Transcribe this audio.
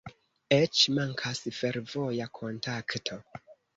Eĉ mankas fervoja kontakto.